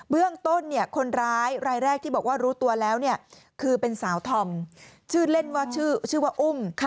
เรื่องต้นคนร้ายรายแรกที่บอกว่ารู้ตัวแล้วคือเป็นสาวธอมชื่อเล่นว่าชื่อว่าอุ้ม